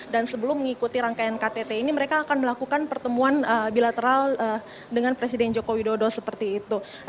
dan sebelum mengikuti rangkaian ktt ini mereka akan melakukan pertemuan bilateral dengan presiden joko widodo seperti itu